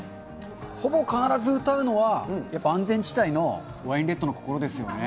ほぼ必ず歌うのはやっぱり安全地帯のワインレッドの心ですよね。